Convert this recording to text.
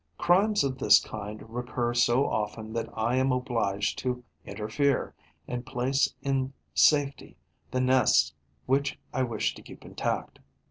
Crimes of this kind recur so often that I am obliged to interfere and place in safety the nests which I wish to keep intact.